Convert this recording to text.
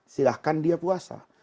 silahkan dia puasa